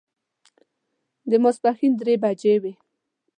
د ماسپښین درې بجې وې.